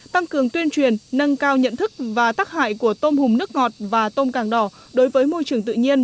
tăng cường tuyên truyền nâng cao nhận thức và tác hại của tôm hùm nước ngọt và tôm càng đỏ đối với môi trường tự nhiên